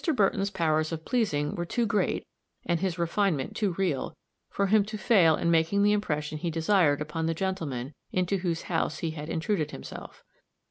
Burton's powers of pleasing were too great, and his refinement too real, for him to fail in making the impression he desired upon the gentleman into whose house he had intruded himself.